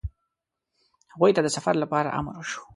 هغوی ته د سفر لپاره امر وشو.